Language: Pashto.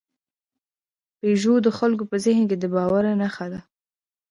پيژو د خلکو په ذهن کې د باور نښه ده.